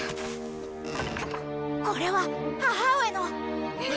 これは母上の！